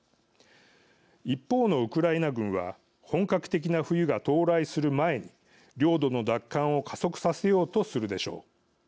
一方のウクライナ軍は本格的な冬が到来する前に領土の奪還を加速させようとするでしょう。